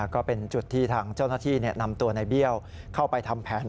ก็เป็นจุดที่ทางเจ้าหน้าที่นำตัวในเบี้ยวเข้าไปทำแผน